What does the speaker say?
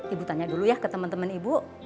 ibu tanya dulu ya ke temen temen ibu